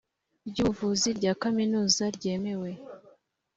ry ubuvuzi rya kaminuza ryemewe